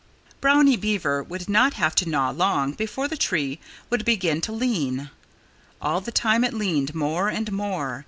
Brownie Beaver would not have to gnaw long before the tree would begin to lean. All the time it leaned more and more.